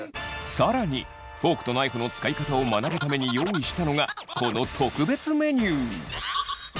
更にフォークとナイフの使い方を学ぶために用意したのがこの特別メニュー！